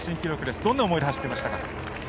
どんな思いで走りましたか。